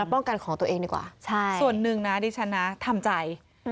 ป้องกันของตัวเองดีกว่าส่วนหนึ่งนะดิฉันนะทำใจ